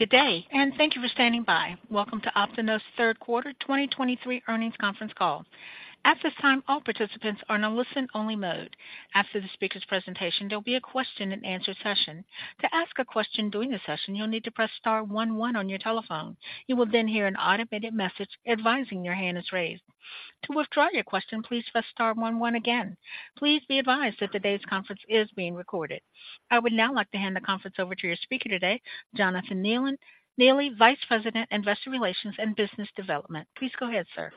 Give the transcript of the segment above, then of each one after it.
Good day, and thank you for standing by. Welcome to OptiNose Third Quarter 2023 Earnings Conference Call. At this time, all participants are in a listen-only mode. After the speaker's presentation, there'll be a question-and-answer session. To ask a question during the session, you'll need to press star one one on your telephone. You will then hear an automated message advising your hand is raised. To withdraw your question, please press star one one again. Please be advised that today's conference is being recorded. I would now like to hand the conference over to your speaker today, Jonathan Neely, Vice President, Investor Relations and Business Development. Please go ahead, sir.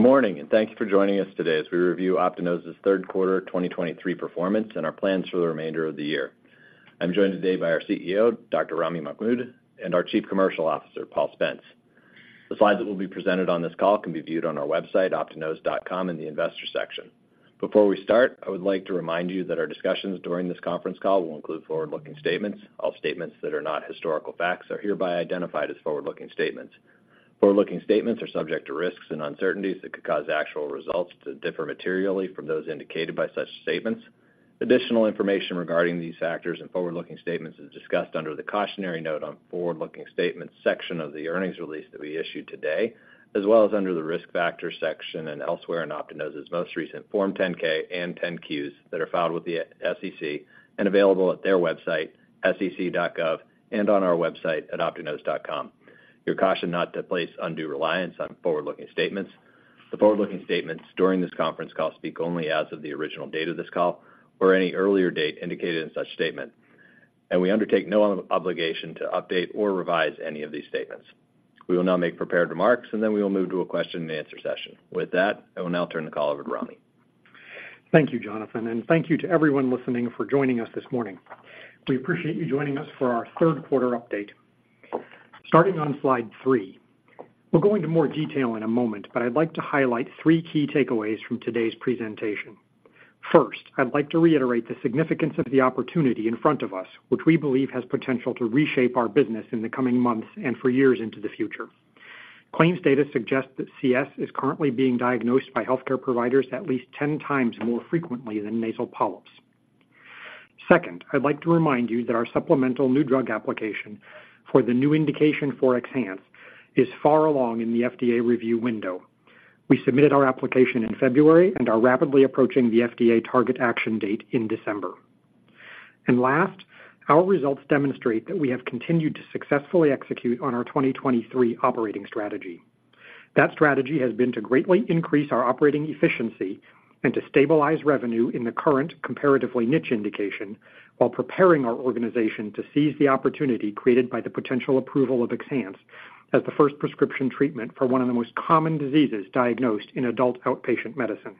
Good morning, and thank you for joining us today as we review OptiNose's Third Quarter 2023 performance and our plans for the remainder of the year. I'm joined today by our CEO, Dr. Ramy Mahmoud, and our Chief Commercial Officer, Paul Spence. The slides that will be presented on this call can be viewed on our website, optinose.com, in the investor section. Before we start, I would like to remind you that our discussions during this conference call will include forward-looking statements. All statements that are not historical facts are hereby identified as forward-looking statements. Forward-looking statements are subject to risks and uncertainties that could cause actual results to differ materially from those indicated by such statements. Additional information regarding these factors and forward-looking statements is discussed under the cautionary note on forward-looking statements section of the earnings release that we issued today, as well as under the Risk Factors section and elsewhere in OptiNose's most recent Form 10-K and 10-Qs that are filed with the SEC and available at their website, sec.gov, and on our website at optinose.com. You're cautioned not to place undue reliance on forward-looking statements. The forward-looking statements during this conference call speak only as of the original date of this call or any earlier date indicated in such statement, and we undertake no obligation to update or revise any of these statements. We will now make prepared remarks, and then we will move to a question-and-answer session. With that, I will now turn the call over to Ramy. Thank you, Jonathan, and thank you to everyone listening for joining us this morning. We appreciate you joining us for our third quarter update. Starting on slide three. We'll go into more detail in a moment, but I'd like to highlight three key takeaways from today's presentation. First, I'd like to reiterate the significance of the opportunity in front of us, which we believe has potential to reshape our business in the coming months and for years into the future. Claims data suggest that CS is currently being diagnosed by healthcare providers at least 10x more frequently than nasal polyps. Second, I'd like to remind you that our supplemental new drug application for the new indication for XHANCE is far along in the FDA review window. We submitted our application in February and are rapidly approaching the FDA target action date in December. Last, our results demonstrate that we have continued to successfully execute on our 2023 operating strategy. That strategy has been to greatly increase our operating efficiency and to stabilize revenue in the current comparatively niche indication, while preparing our organization to seize the opportunity created by the potential approval of XHANCE as the first prescription treatment for one of the most common diseases diagnosed in adult outpatient medicine.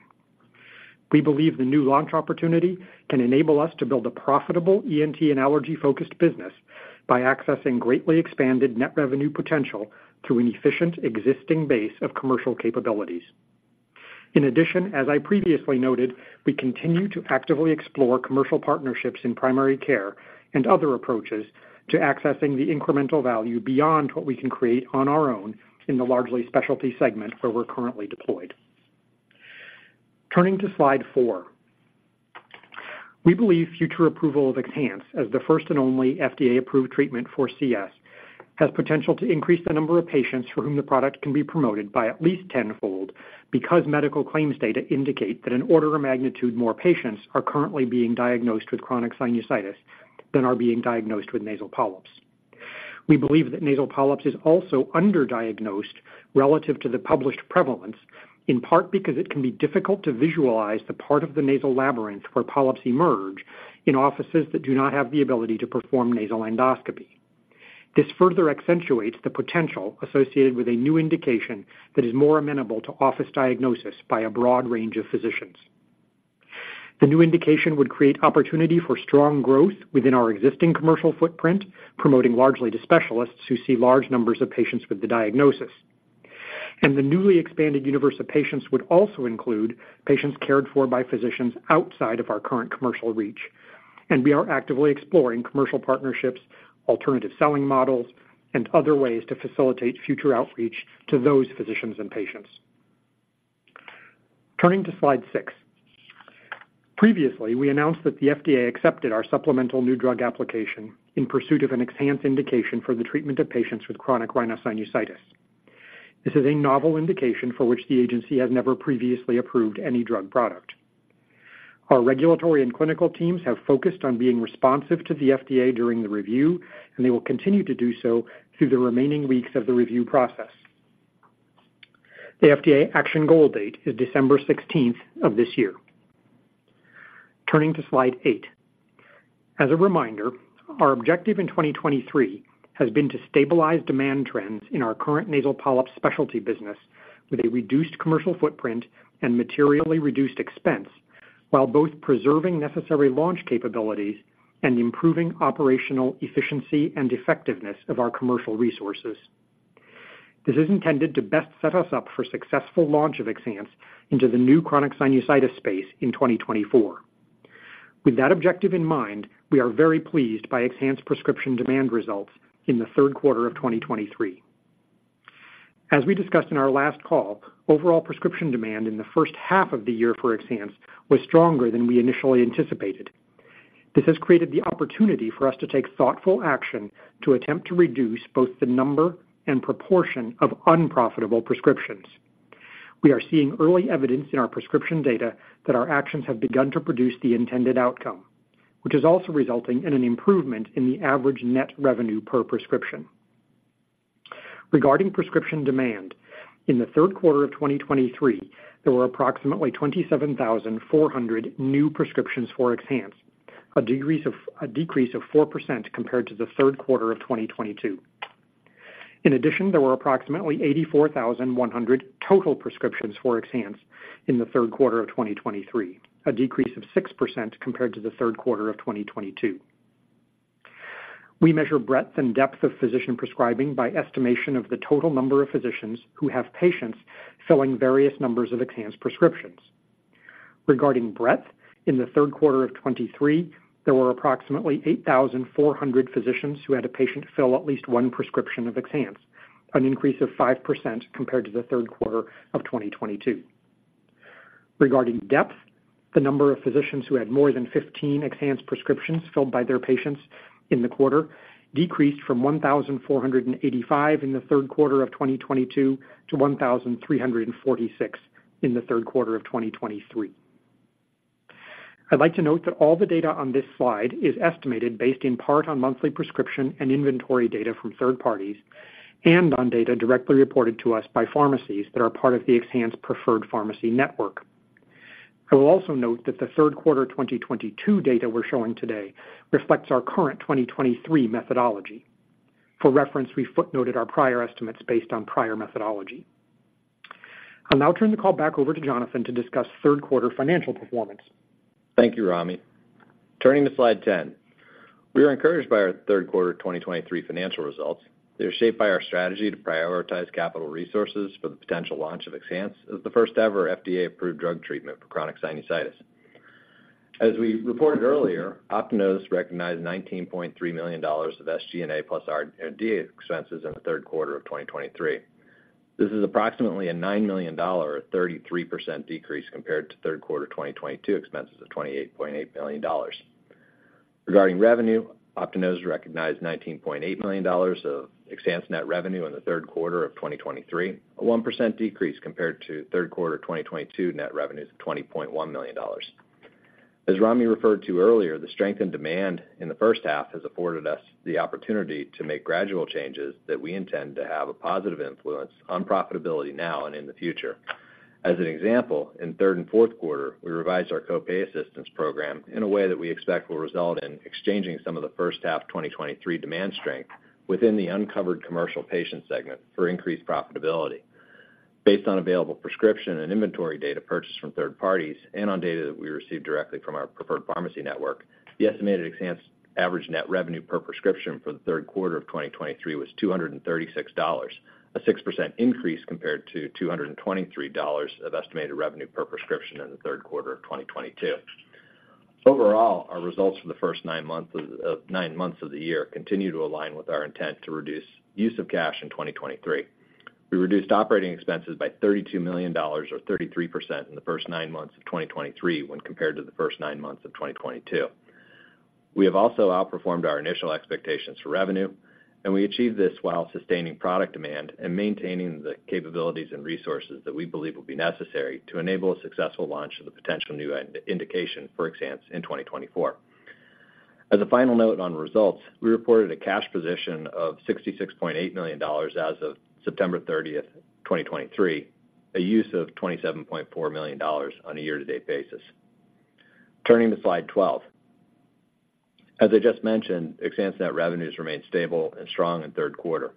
We believe the new launch opportunity can enable us to build a profitable ENT and allergy-focused business by accessing greatly expanded net revenue potential through an efficient existing base of commercial capabilities. In addition, as I previously noted, we continue to actively explore commercial partnerships in primary care and other approaches to accessing the incremental value beyond what we can create on our own in the largely specialty segment where we're currently deployed. Turning to slide four. We believe future approval of XHANCE as the first and only FDA-approved treatment for CS, has potential to increase the number of patients for whom the product can be promoted by at least tenfold, because medical claims data indicate that an order of magnitude more patients are currently being diagnosed with chronic sinusitis than are being diagnosed with nasal polyps. We believe that nasal polyps is also underdiagnosed relative to the published prevalence, in part because it can be difficult to visualize the part of the nasal labyrinth where polyps emerge in offices that do not have the ability to perform nasal endoscopy. This further accentuates the potential associated with a new indication that is more amenable to office diagnosis by a broad range of physicians. The new indication would create opportunity for strong growth within our existing commercial footprint, promoting largely to specialists who see large numbers of patients with the diagnosis. The newly expanded universe of patients would also include patients cared for by physicians outside of our current commercial reach, and we are actively exploring commercial partnerships, alternative selling models, and other ways to facilitate future outreach to those physicians and patients. Turning to slide six. Previously, we announced that the FDA accepted our supplemental new drug application in pursuit of an XHANCE indication for the treatment of patients with chronic rhinosinusitis. This is a novel indication for which the agency has never previously approved any drug product. Our regulatory and clinical teams have focused on being responsive to the FDA during the review, and they will continue to do so through the remaining weeks of the review process. The FDA action goal date is December sixteenth of this year. Turning to slide eight. As a reminder, our objective in 2023 has been to stabilize demand trends in our current nasal polyps specialty business with a reduced commercial footprint and materially reduced expense, while both preserving necessary launch capabilities and improving operational efficiency and effectiveness of our commercial resources. This is intended to best set us up for successful launch of XHANCE into the new chronic sinusitis space in 2024. With that objective in mind, we are very pleased by XHANCE prescription demand results in the third quarter of 2023. As we discussed in our last call, overall prescription demand in the first half of the year for XHANCE was stronger than we initially anticipated. This has created the opportunity for us to take thoughtful action to attempt to reduce both the number and proportion of unprofitable prescriptions. We are seeing early evidence in our prescription data that our actions have begun to produce the intended outcome, which is also resulting in an improvement in the average net revenue per prescription. Regarding prescription demand, in the third quarter of 2023, there were approximately 27,400 new prescriptions for XHANCE, a decrease of 4% compared to the third quarter of 2022. In addition, there were approximately 84,100 total prescriptions for XHANCE in the third quarter of 2023, a decrease of 6% compared to the third quarter of 2022. We measure breadth and depth of physician prescribing by estimation of the total number of physicians who have patients filling various numbers of XHANCE prescriptions. Regarding breadth, in the third quarter of 2023, there were approximately 8,400 physicians who had a patient fill at least one prescription of XHANCE, an increase of 5% compared to the third quarter of 2022. Regarding depth, the number of physicians who had more than 15 XHANCE prescriptions filled by their patients in the quarter decreased from 1,485 in the third quarter of 2022 to 1,346 in the third quarter of 2023. I'd like to note that all the data on this slide is estimated based in part on monthly prescription and inventory data from third parties, and on data directly reported to us by pharmacies that are part of the XHANCE Preferred Pharmacy Network. I will also note that the third quarter 2022 data we're showing today reflects our current 2023 methodology. For reference, we footnoted our prior estimates based on prior methodology. I'll now turn the call back over to Jonathan to discuss third quarter financial performance. Thank you, Ramy. Turning to slide 10. We are encouraged by our third-quarter 2023 financial results. They are shaped by our strategy to prioritize capital resources for the potential launch of XHANCE as the first-ever FDA-approved drug treatment for chronic sinusitis. As we reported earlier, OptiNose recognized $19.3 million of SG&A + R&D expenses in the third quarter of 2023. This is approximately a $9 million, or 33% decrease compared to third quarter 2022 expenses of $28.8 million. Regarding revenue, OptiNose recognized $19.8 million of XHANCE net revenue in the third quarter of 2023, a 1% decrease compared to third quarter 2022 net revenues of $20.1 million. As Ramy referred to earlier, the strength and demand in the first half has afforded us the opportunity to make gradual changes that we intend to have a positive influence on profitability now and in the future. As an example, in third and fourth quarter, we revised our co-pay assistance program in a way that we expect will result in exchanging some of the first half 2023 demand strength within the uncovered commercial patient segment for increased profitability. Based on available prescription and inventory data purchased from third parties, and on data that we received directly from our preferred pharmacy network, the estimated XHANCE average net revenue per prescription for the third quarter of 2023 was $236, a 6% increase compared to $223 of estimated revenue per prescription in the third quarter of 2022. Overall, our results for the first nine months of the year continue to align with our intent to reduce use of cash in 2023. We reduced operating expenses by $32 million, or 33%, in the first nine months of 2023 when compared to the first nine months of 2022. We have also outperformed our initial expectations for revenue, and we achieved this while sustaining product demand and maintaining the capabilities and resources that we believe will be necessary to enable a successful launch of the potential new indication for XHANCE in 2024. As a final note on results, we reported a cash position of $66.8 million as of September 30, 2023, a use of $27.4 million on a year-to-date basis. Turning to Slide 12. As I just mentioned, XHANCE net revenues remained stable and strong in third quarter.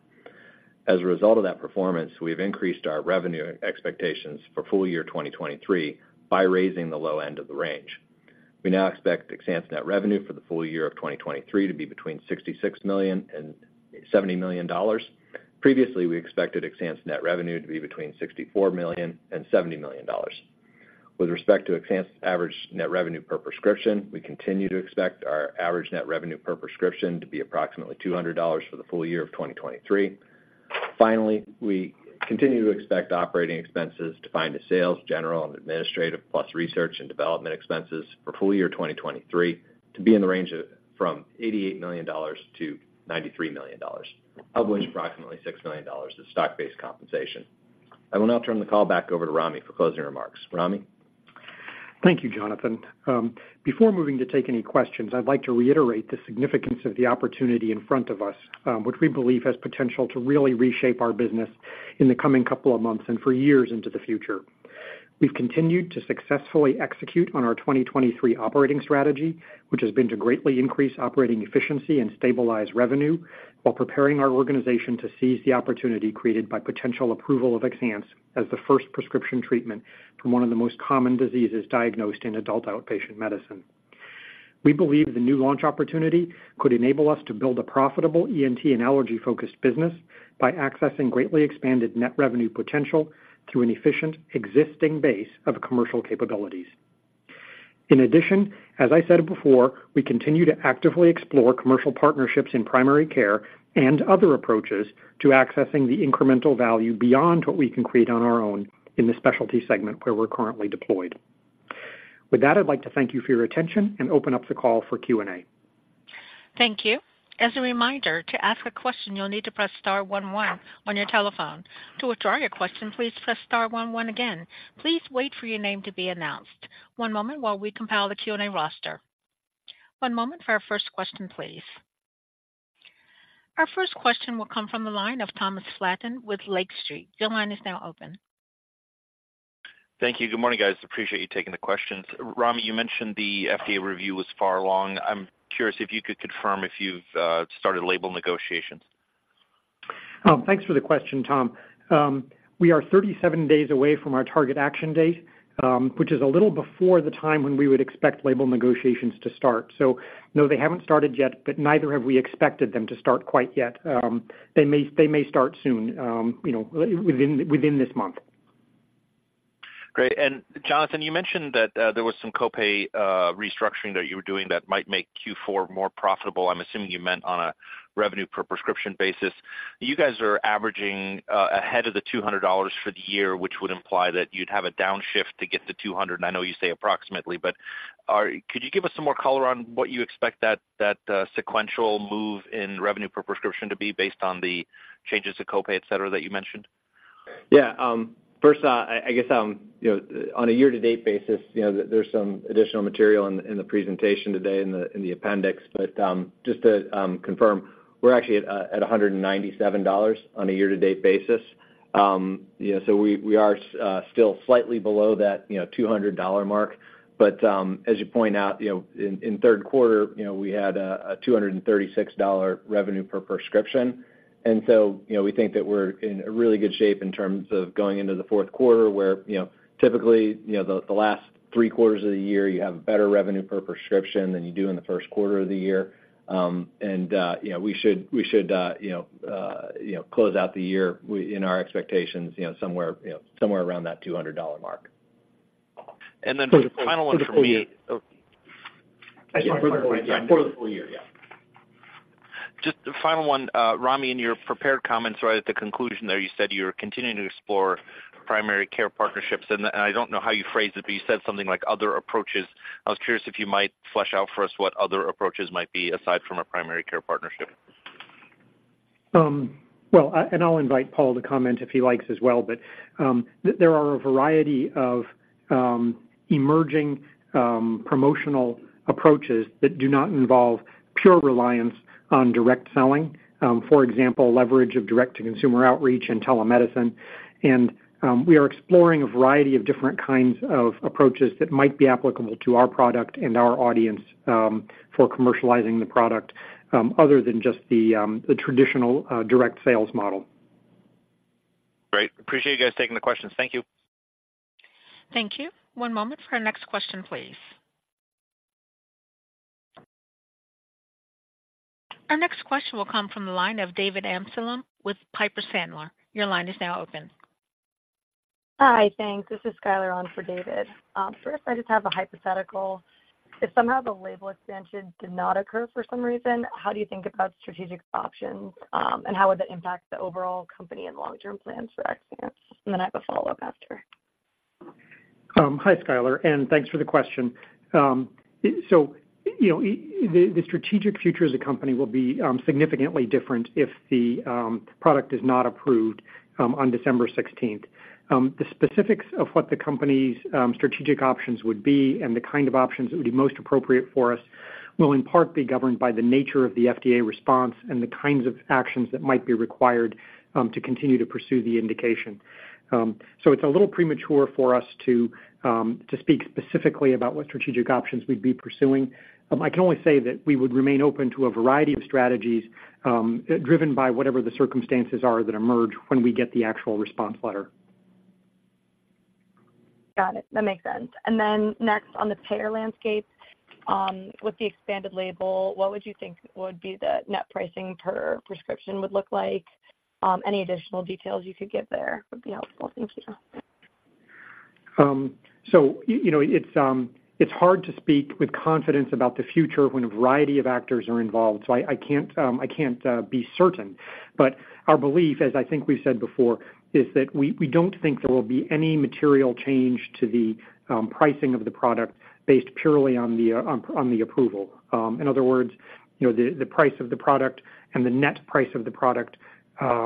As a result of that performance, we've increased our revenue expectations for full year 2023 by raising the low end of the range. We now expect XHANCE net revenue for the full year of 2023 to be between $66 million and $70 million. Previously, we expected XHANCE net revenue to be between $64 million and $70 million. With respect to XHANCE average net revenue per prescription, we continue to expect our average net revenue per prescription to be approximately $200 for the full year of 2023. Finally, we continue to expect operating expenses to be SG&A + research and development expenses for full year 2023 to be in the range of from $88 million to $93 million, of which approximately $6 million is stock-based compensation. I will now turn the call back over to Ramy for closing remarks. Ramy? Thank you, Jonathan. Before moving to take any questions, I'd like to reiterate the significance of the opportunity in front of us, which we believe has potential to really reshape our business in the coming couple of months and for years into the future. We've continued to successfully execute on our 2023 operating strategy, which has been to greatly increase operating efficiency and stabilize revenue while preparing our organization to seize the opportunity created by potential approval of XHANCE as the first prescription treatment from one of the most common diseases diagnosed in adult outpatient medicine. We believe the new launch opportunity could enable us to build a profitable ENT and allergy-focused business by accessing greatly expanded net revenue potential through an efficient, existing base of commercial capabilities.... In addition, as I said before, we continue to actively explore commercial partnerships in primary care and other approaches to accessing the incremental value beyond what we can create on our own in the specialty segment where we're currently deployed. With that, I'd like to thank you for your attention and open up the call for Q&A. Thank you. As a reminder, to ask a question, you'll need to press star one one on your telephone. To withdraw your question, please press star one one again. Please wait for your name to be announced. One moment while we compile the Q&A roster. One moment for our first question, please. Our first question will come from the line of Thomas Flaten with Lake Street. Your line is now open. Thank you. Good morning, guys. Appreciate you taking the questions. Ramy, you mentioned the FDA review was far along. I'm curious if you could confirm if you've started label negotiations. Thanks for the question, Tom. We are 37 days away from our target action date, which is a little before the time when we would expect label negotiations to start. So no, they haven't started yet, but neither have we expected them to start quite yet. They may start soon, you know, within this month. Great. And Jonathan, you mentioned that there was some co-pay restructuring that you were doing that might make Q4 more profitable. I'm assuming you meant on a revenue per prescription basis. You guys are averaging ahead of the $200 for the year, which would imply that you'd have a downshift to get to $200. I know you say approximately, but are, could you give us some more color on what you expect that sequential move in revenue per prescription to be based on the changes to co-pay, et cetera, that you mentioned? Yeah. First, I guess, you know, on a year-to-date basis, you know, there's some additional material in the presentation today in the appendix. But just to confirm, we're actually at $197 on a year-to-date basis. You know, so we are still slightly below that $200 mark. But as you point out, you know, in third quarter, you know, we had a $236 revenue per prescription. And so, you know, we think that we're in a really good shape in terms of going into the fourth quarter, where you know, typically, you know, the last three quarters of the year, you have better revenue per prescription than you do in the first quarter of the year. You know, we should close out the year in our expectations, you know, somewhere around that $200 mark. Just the final one, Ramy, in your prepared comments, right at the conclusion there, you said you're continuing to explore primary care partnerships, and, and I don't know how you phrased it, but you said something like other approaches. I was curious if you might flesh out for us what other approaches might be, aside from a primary care partnership. Well, I'll invite Paul to comment if he likes as well, but there are a variety of emerging promotional approaches that do not involve pure reliance on direct selling. For example, leverage of direct-to-consumer outreach and telemedicine. We are exploring a variety of different kinds of approaches that might be applicable to our product and our audience, for commercializing the product, other than just the traditional direct sales model. Great. Appreciate you guys taking the questions. Thank you. Thank you. One moment for our next question, please. Our next question will come from the line of David Amsellem with Piper Sandler. Your line is now open. Hi, thanks. This is Skyler on for David. First, I just have a hypothetical. If somehow the label expansion did not occur for some reason, how do you think about strategic options, and how would that impact the overall company and long-term plans for XHANCE? Then I have a follow-up after. Hi, Skyler, and thanks for the question. So, you know, the strategic future of the company will be significantly different if the product is not approved on December sixteenth. The specifics of what the company's strategic options would be and the kind of options that would be most appropriate for us will in part be governed by the nature of the FDA response and the kinds of actions that might be required to continue to pursue the indication. So it's a little premature for us to speak specifically about what strategic options we'd be pursuing. I can only say that we would remain open to a variety of strategies driven by whatever the circumstances are that emerge when we get the actual response letter. Got it. That makes sense. And then next, on the payer landscape, with the expanded label, what would you think would be the net pricing per prescription would look like? Any additional details you could give there would be helpful. Thank you. So, you know, it's hard to speak with confidence about the future when a variety of actors are involved, so I can't be certain. But our belief, as I think we've said before, is that we don't think there will be any material change to the pricing of the product based purely on the approval. In other words, you know, the price of the product and the net price of the product, you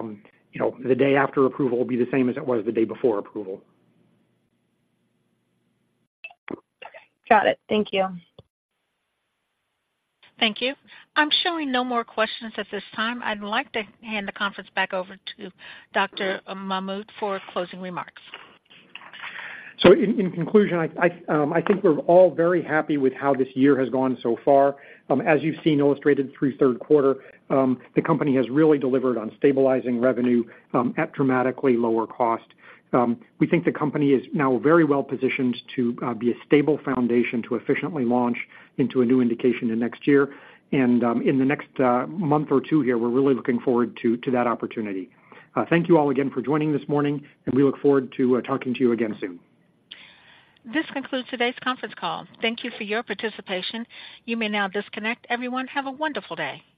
know, the day after approval will be the same as it was the day before approval. Got it. Thank you. Thank you. I'm showing no more questions at this time. I'd like to hand the conference back over to Dr. Mahmoud for closing remarks. In conclusion, I think we're all very happy with how this year has gone so far. As you've seen illustrated through third quarter, the company has really delivered on stabilizing revenue at dramatically lower cost. We think the company is now very well positioned to be a stable foundation to efficiently launch into a new indication in next year. In the next month or two here, we're really looking forward to that opportunity. Thank you all again for joining this morning, and we look forward to talking to you again soon. This concludes today's conference call. Thank you for your participation. You may now disconnect. Everyone, have a wonderful day.